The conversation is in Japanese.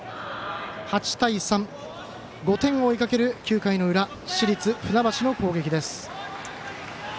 ８対３、５点を追いかける９回の裏市立船橋の攻撃です。